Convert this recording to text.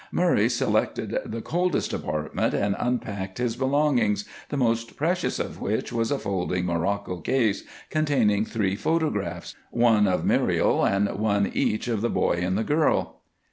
Murray selected the coldest apartment and unpacked his belongings, the most precious of which was a folding morocco case containing three photographs one of Muriel and one each of the boy and the girl.